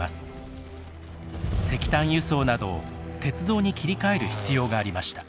石炭輸送などを鉄道に切り替える必要がありました。